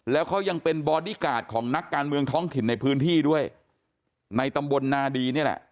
แล้วเขายังเป็นบอดี้การ์ดของนักการเมืองท้องถิ่นในพื้นที่ด้วยในตำบลนาดีนี่แหละ